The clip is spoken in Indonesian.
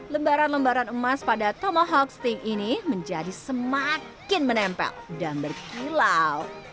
lembaran lembaran emas pada tomohogsting ini menjadi semakin menempel dan berkilau